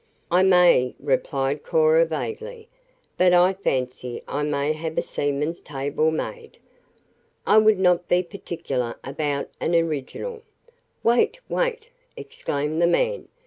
"I may," replied Cora vaguely. "But I fancy I may have a seaman's table made. I would not be particular about an original." "Wait, wait!" exclaimed the man.